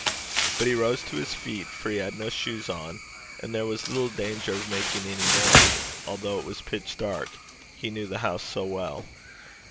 But he rose to his feet, for he had no shoes on, and there was little danger of making any noise, although it was pitch dark he knew the house so well.